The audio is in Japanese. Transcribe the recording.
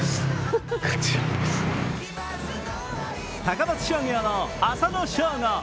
高松商業の浅野翔吾。